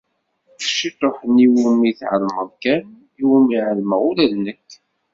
D ciṭuḥ-nni iwumi tɛelmeḍ kan iwumi ɛelmeɣ ula d nekk.